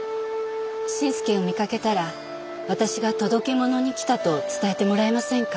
新助を見かけたら私が届け物に来たと伝えてもらえませんか？